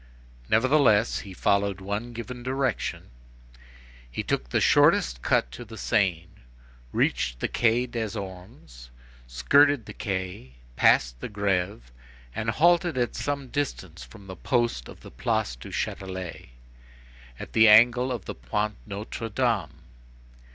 Nevertheless, he followed one given direction. He took the shortest cut to the Seine, reached the Quai des Ormes, skirted the quay, passed the Grève, and halted at some distance from the post of the Place du Châtelet, at the angle of the Pont Notre Dame.